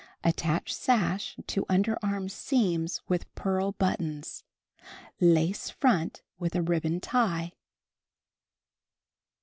Attach sash to underarm seams with pearl buttons. Lace front with a ribbon tie.